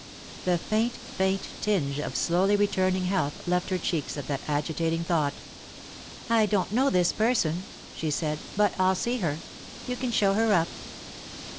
The faint, faint tinge of slowly returning health left her cheeks at that agitating thought. " I don't know this person," she said, " but I'll see her. You can show her up."